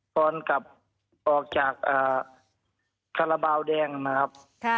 ก่อนกลับออกจากคาราบาลแดงนะครับ